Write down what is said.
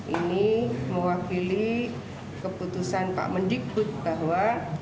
ini mewakili keputusan pak mendikbud bahwa